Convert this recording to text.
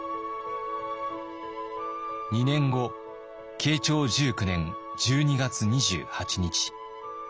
２年後慶長１９年１２月２８日。